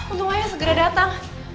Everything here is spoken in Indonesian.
untung ayah segera datang